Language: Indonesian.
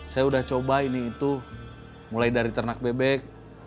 saya sudah coba ini itu mulai dari ternak bebek